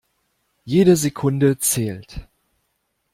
Jede Sekunde zählt.